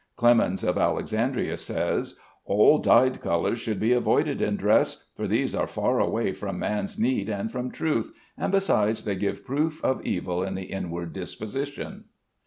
Clemens of Alexandria says: "All dyed colors should be avoided in dress, for these are far away from man's need and from truth; and besides they give proof of evil in the inward disposition."